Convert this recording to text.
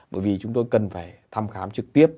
bởi vì chúng tôi cần phải thăm khám trực tiếp